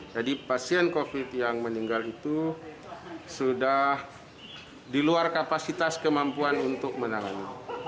jadi pasien covid sembilan belas yang meninggal itu sudah di luar kapasitas kemampuan untuk menangani